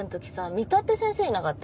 三田って先生いなかった？